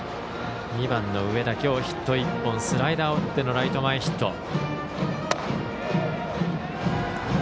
２番の上田きょうヒット１本スライダーを打ってのライト前ヒット。